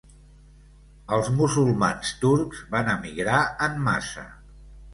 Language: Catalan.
Els musulmans turcs van emigrar en massa.